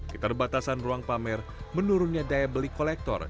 keterbatasan ruang pamer menurunnya daya beli kolektor